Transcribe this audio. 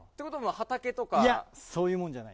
いや、そういうもんじゃない。